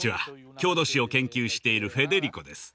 郷土史を研究しているフェデリコです。